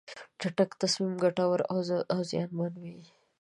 چټک تصمیم ګټور او زیانمن وي.